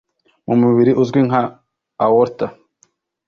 mu mubiri uzwi nka ‘aorta’